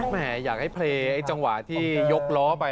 แหมอยากให้เพลย์ไอ้จังหวะที่ยกล้อไป